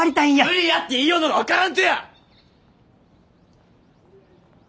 無理やって言いようのが分からんとや！